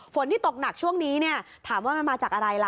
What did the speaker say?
ฝนที่ตกหนักช่วงนี้เนี่ยถามว่ามันมาจากอะไรล่ะ